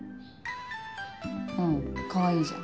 うんかわいいじゃん。